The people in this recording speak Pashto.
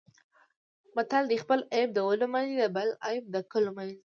متل دی: خپل عیب د ولو منځ د بل عیب د کلو منځ دی.